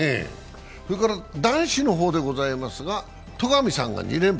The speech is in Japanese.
男子の方でございますが、戸上さんが２連覇。